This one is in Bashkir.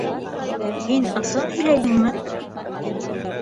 Һин ысын һөйләйһеңме?